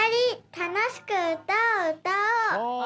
たのしくうたをうたおう！！」。